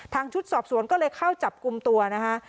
ชุดสอบสวนก็เลยเข้าจับกลุ่มตัวนะคะ